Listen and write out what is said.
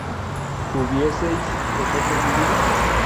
¿hubieseis vosotros vivido?